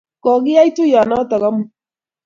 Ko kiyai tuyonotok amut